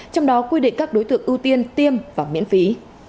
trong đó quy định các đối tượng ưu tiên tiêm và miễn phí